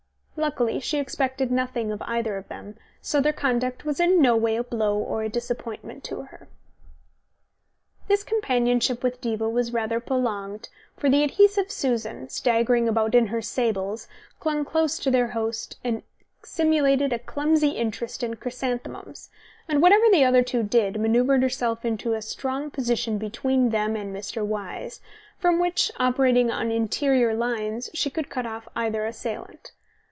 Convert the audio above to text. Luckily she expected nothing better of either of them, so their conduct was in no way a blow or a disappointment to her. This companionship with Diva was rather prolonged, for the adhesive Susan, staggering about in her sables, clung close to their host and simulated a clumsy interest in chrysanthemums; and whatever the other two did, manoeuvred herself into a strong position between them and Mr. Wyse, from which, operating on interior lines, she could cut off either assailant.